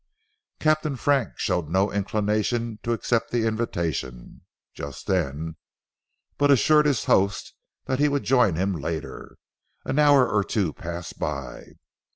Captain Frank showed no inclination to accept the invitation just then, but assured his host that he would join him later. An hour or two passed by.